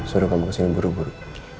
suruh kamu kesini buru buru